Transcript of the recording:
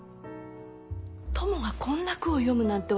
トモがこんな句を詠むなんて